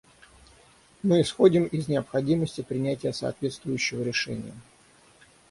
Мы исходим из необходимости принятия соответствующего решения.